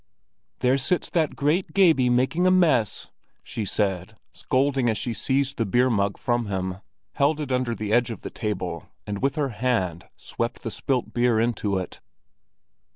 "There sits that great gaby making a mess!" she said, scolding as she seized the beer mug from him, held it under the edge of the table, and with her hand swept the spilt beer into it.